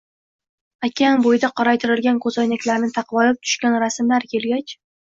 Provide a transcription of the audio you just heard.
okean bo‘yida qoraytirilgan ko‘zoynaklarni taqvolib tushgan rasmlari kelgach...